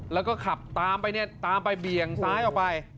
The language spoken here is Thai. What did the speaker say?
แล้วก็ขับตามไปเนี่ยตามไปเบี่ยงซ้ายออกไป